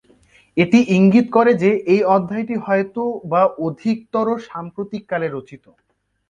এটি ইঙ্গিত করে যে এই অধ্যায়টি হয়তো বা অধিকতর সাম্প্রতিক কালে রচিত।